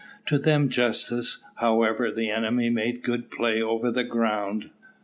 To do them justice, however, the enemy made good play over the ground.